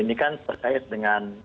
apa namanya berkait dengan